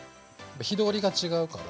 火通りが違うから。